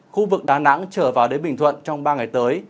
khu vực đà nẵng trở vào đến bình thuận trong ba ngày tới